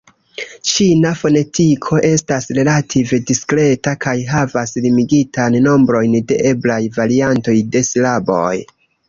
Ĉina fonetiko estas relative diskreta kaj havas limigitan nombron de eblaj variantoj de silaboj.